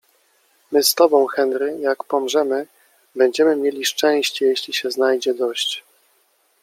- My z tobą, Henry, jak pomrzemy, będziemy mieli szczęście, jeśli się znajdzie dość